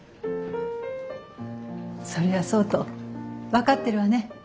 それはそうと分かってるわね？